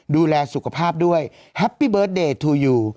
ดูแลสุขภาพด้วยแฮปปี้เบิร์ตเดย์ทูยู